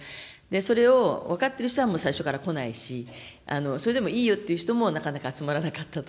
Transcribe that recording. それを分かっている人は、もう最初からこないし、それでもいいよっていう人も、なかなか集まらなかったと。